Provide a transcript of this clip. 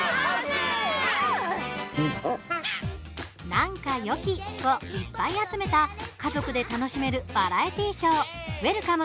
なんかよき、をいっぱい集めた家族で楽しめるバラエティーショー「ウェルカム！